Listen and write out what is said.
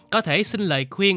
có thể xin lời khuyên